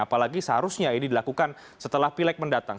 apalagi seharusnya ini dilakukan setelah pilek mendatang